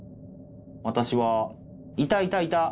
私は「いたいたいた！